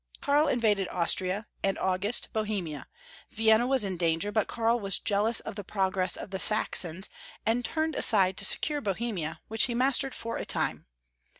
Karl invaded Austria, and August, Bohemia ; Vienna was in danger, but Karl was jealous of the progress of the Saxons, and turned aside to secure Bohemia, which he mastered for a time.